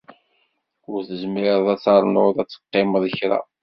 Ur tezmireḍ ad ternuḍ ad teqqimeḍ kra?